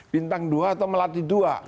bintang dua atau melati dua